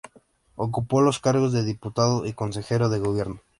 Ocupó los cargos de diputado y Consejero de gobierno.